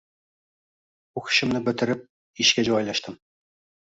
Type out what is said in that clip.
O`qishimni bitirib, ishga joylashdim